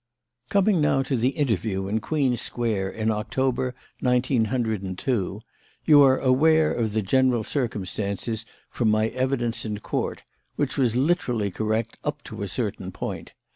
"Coming now to the interview in Queen Square in October, nineteen hundred and two, you are aware of the general circumstances from my evidence in Court, which was literally correct up to a certain point.